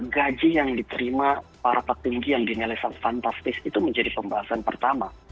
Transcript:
gaji yang diterima para petinggi yang dinilai fantastis itu menjadi pembahasan pertama